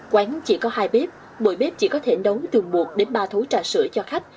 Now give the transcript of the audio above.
quán chỉ có hai bếp mỗi bếp chỉ có thể nấu từ một đến ba thố trà sữa cho khách